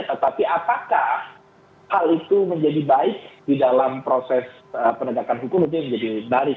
tetapi apakah hal itu menjadi baik di dalam proses penegakan hukum itu menjadi baris